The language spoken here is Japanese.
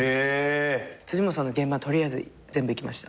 辻本さんの現場取りあえず全部行きました。